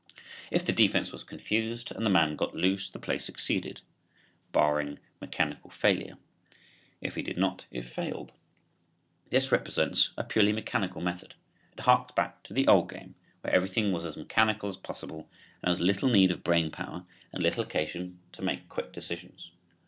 If the defense was confused and the man got loose, the play succeeded (barring mechanical failure); if he did not it failed. This represents a purely mechanical method. It harks back to the "old" game where everything was as mechanical as possible and there was little need of brain power and little occasion to make quick decisions.